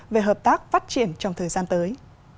về hợp tác phát triển trong thời gian tới